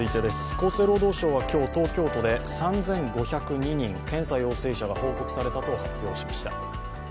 厚生労働省は今日、東京都で３５０２人、検査陽性者が報告されたと発表しました。